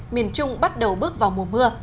miền trung bắt đầu bước vào mùa mưa